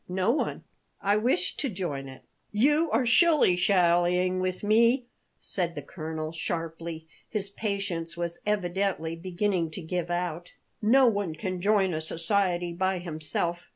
"No one; I wished to join it." "You are shilly shallying with me," said the colonel, sharply; his patience was evidently beginning to give out. "No one can join a society by himself.